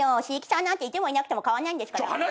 椎木さんなんていてもいなくても変わんないんですから。